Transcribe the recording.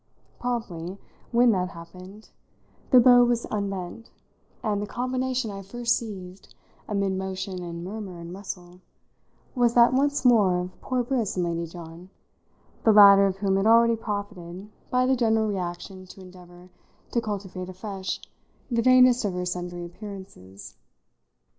Promptly, when that happened, the bow was unbent; and the combination I first seized, amid motion and murmur and rustle, was that, once more, of poor Briss and Lady John, the latter of whom had already profited by the general reaction to endeavour to cultivate afresh the vainest of her sundry appearances.